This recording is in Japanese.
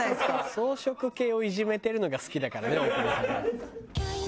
草食系をいじめてるのが好きだからね大久保さんは。